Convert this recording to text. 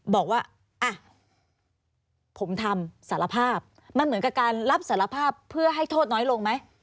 บอกว่าอ่ะผมทำสารภาพมันเหมือนกับการรับสารภาพเพื่อให้โทษน้อยลงไหม